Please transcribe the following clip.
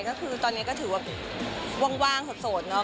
ก็คือตอนนี้ก็ถือว่าว่างสดเนาะ